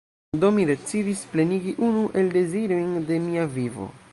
Do, mi decidis plenigi unu el dezirojn de mia vivo.